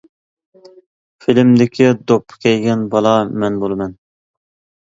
فىلىمدىكى دوپپا كىيگەن بالا مەن بولىمەن.